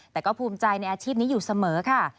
แต่ก็ภูมิใจในอาชีพนี้อยู่เสมอค่ะ